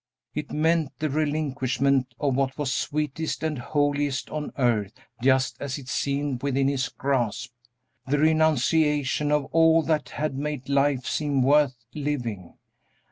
It meant the relinquishment of what was sweetest and holiest on earth just as it seemed within his grasp; the renunciation of all that had made life seem worth living!